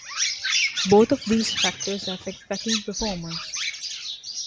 Both of these factors affect packing performance.